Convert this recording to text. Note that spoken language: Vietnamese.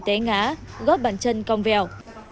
bà luyến cũng bị tế ngã gót bàn chân cong vèo